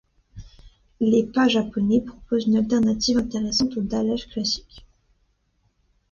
Les pas japonais proposent une alternative intéressante au dallage classique.